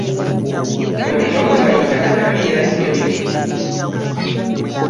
Ono gwe bayita katamiirajjobyo?